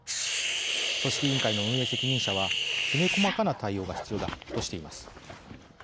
組織委員会の運営責任者は「きめ細かな対応が必要だ」としています。